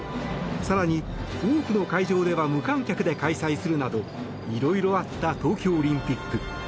更に、多くの会場では無観客で開催するなどいろいろあった東京オリンピック。